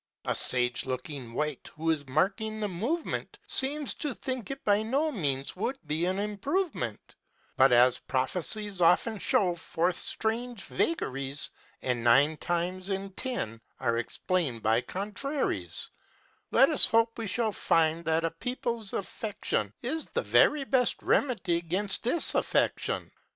A sage looking wight, who is marking the "Movement," Seems to think it by no means would be an improvement; But as prophecies often show forth strange vagaries, And, nine times in ten, are explained by contraries, Let us hope we shall find that a people's affection Is the very best remedy 'gainst disaffection.